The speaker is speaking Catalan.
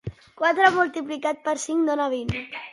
Quatre multiplicat per cinc dona vint?